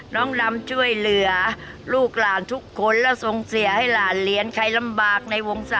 น้องดำช่วยเหลือลูกหลานทุกคน